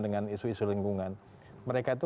dengan isu isu lingkungan mereka itu